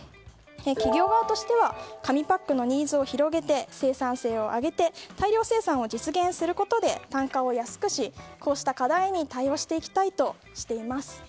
企業側としては紙パックのニーズを広げて生産性を上げて大量生産を実現することで単価を安くし、こうした課題に対応していきたいとしています。